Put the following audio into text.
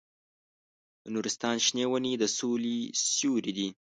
د نورستان شنې ونې د سولې سیوري دي.